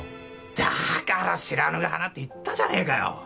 だから知らぬが花って言ったじゃねえかよ